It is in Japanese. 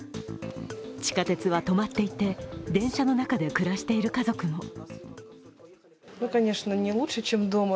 地下鉄は止まっていて、電車の中で暮らしている家族も。